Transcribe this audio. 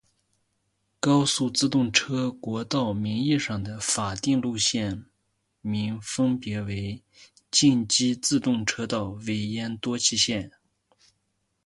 高速自动车国道名义上的法定路线名分别为近畿自动车道尾鹫多气线。